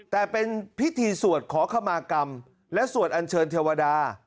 แต่เป็นพิธีสวดขอขมากรรมและสวดอัญเชิญเทวดา